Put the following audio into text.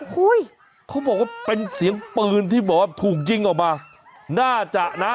โอ้โหเขาบอกว่าเป็นเสียงปืนที่บอกว่าถูกยิงออกมาน่าจะนะ